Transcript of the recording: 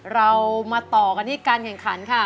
เรามาต่อกันที่การแข่งขันค่ะ